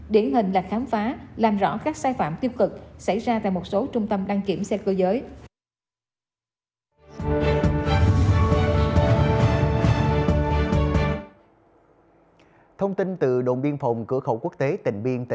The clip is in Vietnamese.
điển hình là khám phá làm rõ các sai phạm tiêu cực xảy ra tại một số trung tâm đăng kiểm xe cơ giới